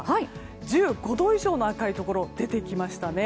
１５度以上の赤いところが出てきましたね。